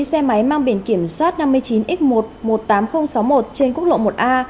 xe máy mang biển kiểm soát năm mươi chín x một trăm một mươi tám nghìn sáu mươi một trên quốc lộ một a